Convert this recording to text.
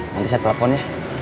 nanti saya telepon ya